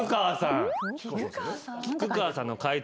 菊川さんの解答